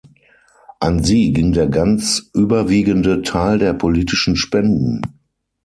An sie ging der ganz überwiegende Teil der politischen Spenden.